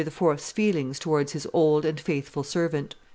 's feelings towards his old and faithful servant.